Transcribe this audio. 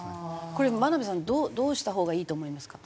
これ眞鍋さんどうしたほうがいいと思いますか？